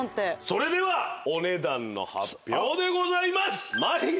それではお値段の発表でございます。